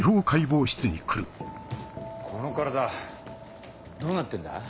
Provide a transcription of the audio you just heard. この体どうなってんだ？